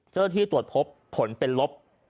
เจ้าหน้าที่ตรวจพบผลเป็นลบ